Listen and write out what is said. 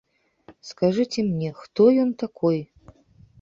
Скажыце мне, хто ён такой?